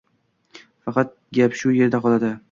— Faqat, gap shu yerda qoladi.